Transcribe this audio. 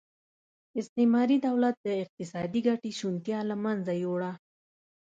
استعماري دولت د اقتصادي ګټې شونتیا له منځه یووړه.